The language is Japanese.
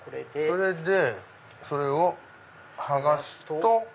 それでそれを剥がすと。